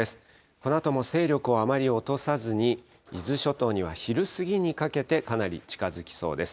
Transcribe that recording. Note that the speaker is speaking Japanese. このあとも勢力をあまり落とさずに、伊豆諸島には昼過ぎにかけて、かなり近づきそうです。